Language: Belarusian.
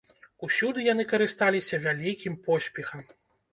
Усюды яны карысталіся вялікім поспехам.